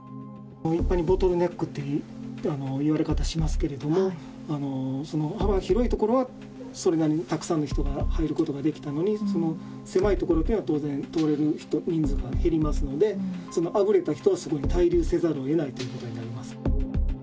一般にボトルネックっていう言われ方しますけれども、その幅が広い所はそれなりにたくさんの人が入ることができたのに、狭い所っていうのは、当然通れる人、人数が減りますので、そのあぶれた人はそこに滞留せざるをえないということになります。